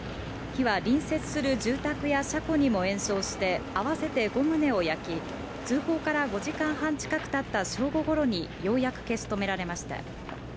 火は隣接する住宅や車庫にも延焼して、合わせて５棟を焼き、通報から５時間半近くたった正午ごろに、ようやく消し止められました。